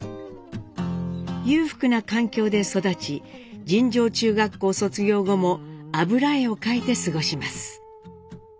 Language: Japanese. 裕福な環境で育ち尋常中学校卒業後も油絵を描いて過ごします。